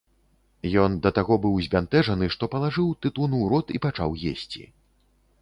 Ён да таго быў збянтэжаны, што палажыў тытун у рот і пачаў есці.